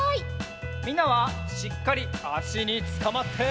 みんなはしっかりあしにつかまって！